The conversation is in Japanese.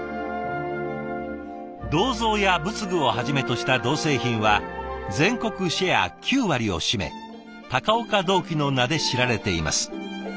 銅像や仏具をはじめとした銅製品は全国シェア９割を占め高岡銅器の名で知られています。